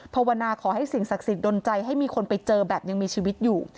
ภาวนาขอให้สิ่งศักดิ์สิทธิดนใจให้มีคนไปเจอแบบยังมีชีวิตอยู่